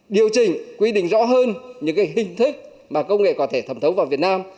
điều chỉnh quy định rõ hơn những hình thức mà công nghệ có thể thẩm thấu vào việt nam